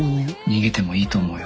逃げてもいいと思うよ。